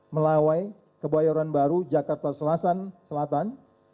melawai kebayoran baru jakarta selatan